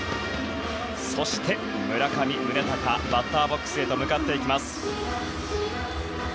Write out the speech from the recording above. そして、村上宗隆がバッターボックスへ向かいます。